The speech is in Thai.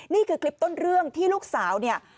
นี่คือคลิปต้นเรื่องที่ลูกสาวเนี่ย